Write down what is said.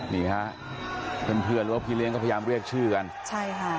มีฮะเพื่อนร้วมพิเศษก็พยายามเรียกชื่อกันใช่ค่ะ